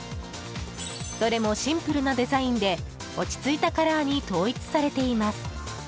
どれもシンプルなデザインで落ち着いたカラーに統一されています。